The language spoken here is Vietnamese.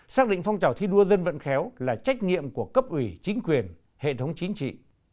xác định phong trào thi đua dân vận khéo là trách nhiệm của cấp ủy chính quyền hệ thống chính trị